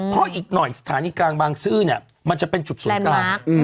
เพราะอีกหน่อยสถานีกลางบางซื่อเนี่ยมันจะเป็นจุดศูนย์กลาง